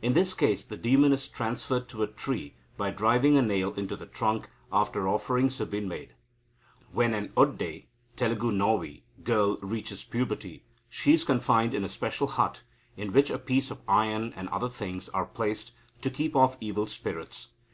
In this case, the demon is transferred to a tree by driving a nail into the trunk, after offerings have been made. When an Odde (Telugu navvy) girl reaches puberty, she is confined in a special hut, in which a piece of iron, and other things, are placed, to keep off evil spirits.